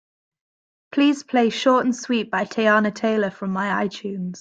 Please play Short And Sweet by Teyana Taylor from my itunes.